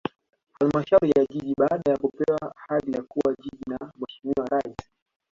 Halmashauri ya Jiji baada ya kupewa hadhi ya kuwa Jiji na Mheshimiwa Rais